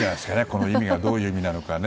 この意味が、どういう意味なのか。